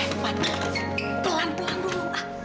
eh man pelan pelan dulu